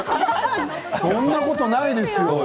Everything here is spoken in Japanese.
そんなことないですよ